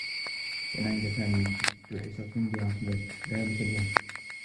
كانت عند سامي ستّ حصص دراسيّة ذلك اليوم.